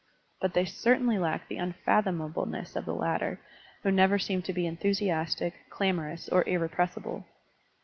But they certainly lack the tmfathomableness of the latter, who never seem to be enthusiastic, clamorous, or irrepres sible.